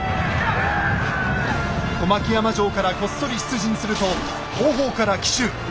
小牧山城からこっそり出陣すると後方から奇襲。